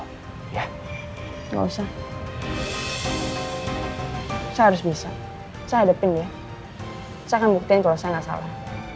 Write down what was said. saya harus bisa saya hadapin ya saya akan buktiin kalau saya nggak salah